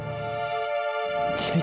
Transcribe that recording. ini cinta itu anugerah